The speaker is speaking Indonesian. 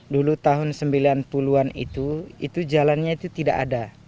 dulu tahun sembilan puluh an itu itu jalannya itu tidak ada